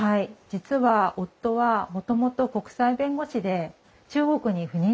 実は夫はもともと国際弁護士で中国に赴任してたんです。